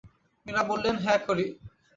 মীরা বললেন, হ্যাঁ, করি।